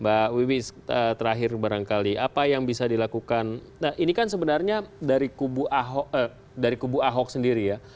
mbak wiwi terakhir barangkali apa yang bisa dilakukan nah ini kan sebenarnya dari kubu ahok sendiri ya